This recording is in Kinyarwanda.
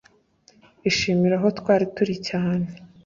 ishimire aho twari turi cyane